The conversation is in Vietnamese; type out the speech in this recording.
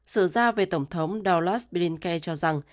sự ra về tổng thống donald blinken cho rằng